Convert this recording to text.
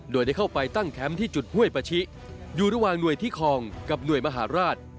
โดยได้เข้าไปตั้งแคมป์ที่จุดห้วยปาชิอยู่ระหว่างหน่วยที่คลองกับหน่วยมหาราช